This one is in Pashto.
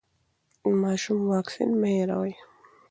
د ماشوم واکسین مه هېروئ.